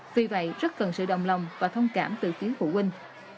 vì vậy rất cần sự đồng lòng và thông cảm từ phía phụ huynh